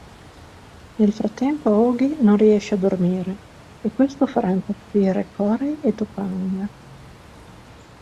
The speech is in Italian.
Nel frattempo Auggie non riesce a dormire e questo farà impazzire Corey e Topanga.